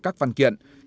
các văn kiện